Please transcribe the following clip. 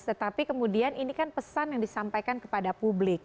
tetapi kemudian ini kan pesan yang disampaikan kepada publik